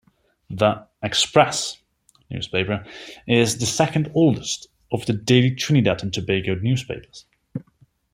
The "Express" newspaper is the second oldest of the daily Trinidad and Tobago newspapers.